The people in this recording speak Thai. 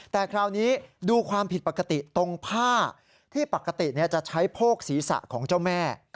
แต่คราวนี้ดูความผิดปกติตรงผ้าที่ปกติจะใช้โพกศีรษะของเจ้าแม่